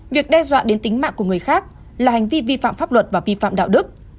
việc đe dọa đến tính mạng của người khác là hành vi vi phạm pháp luật và vi phạm đạo đức